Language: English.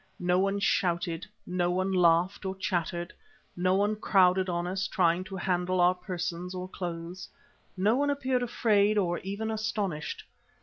No one shouted, no one laughed or chattered. No one crowded on us, trying to handle our persons or clothes. No one appeared afraid or even astonished.